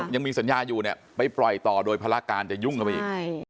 ยังมีสัญญาอยู่เนี่ยไปปล่อยต่อโดยภารการจะยุ่งเข้าไปอีก